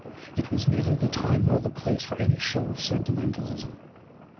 It was neither the time nor the place for any show of sentimentalism.